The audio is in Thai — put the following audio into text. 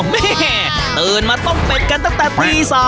หมี่แหมตื่นมาต้มเบ็ดกันตั้งแต่ที๓